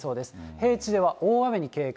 平地では大雨に警戒。